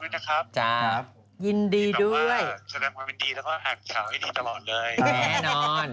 ตีศารกษาคนเป็นดีแล้วก็อ่านข่าวให้ดีตลอดเลย